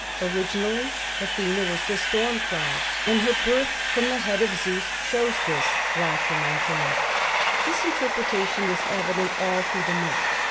Originally Athena was the storm cloud, and her birth from the head of Zeus shows this, Roscher maintains. This interpretation is evident all through the myth.